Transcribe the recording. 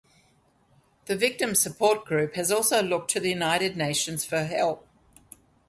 The victims' support group has also looked to the United Nations for help.